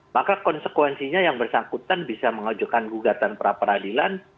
maka konsekuensinya yang bersangkutan bisa mengajukan gugatan pra peradilan